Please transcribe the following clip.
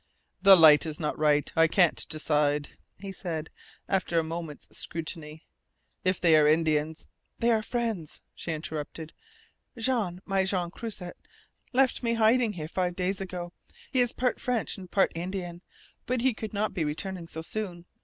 "The light is not right I can't decide," he said, after a moment's scrutiny. "If they are Indians " "They are friends," she interrupted. "Jean my Jean Croisset left me hiding here five days ago. He is part French and part Indian. But he could not be returning so soon.